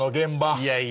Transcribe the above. いやいや。